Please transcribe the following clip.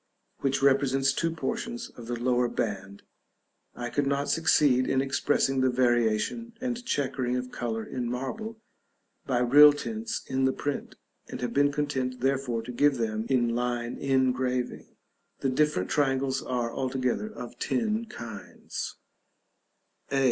which represents two portions of the lower band. I could not succeed in expressing the variation and chequering of color in marble, by real tints in the print; and have been content, therefore, to give them in line engraving. The different triangles are, altogether, of ten kinds: a.